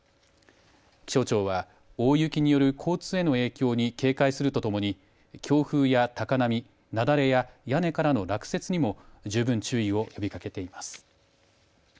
気象庁は大雪による交通への影響に警戒するとともに強風や高波雪崩や屋根からの落雪にも十分注意を呼びかけています。